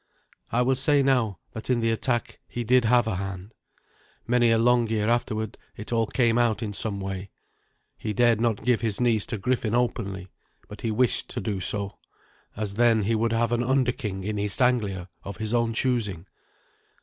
I will say now that in the attack he did have a hand. Many a long year afterward it all came out in some way. He dared not give his niece to Griffin openly, but he wished to do so, as then he would have an under king in East Anglia of his own choosing.